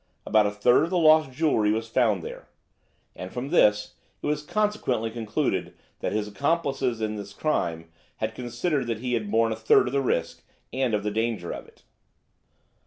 About a third of the lost jewellery was found there, and from this it was consequently concluded that his accomplices in the crime had considered that he had borne a third of the risk and of the danger of it.